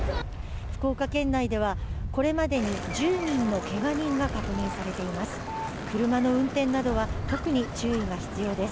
福岡県内ではこれまでに１０人のけが人が確認されています。